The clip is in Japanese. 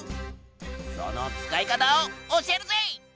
その使い方を教えるぜ！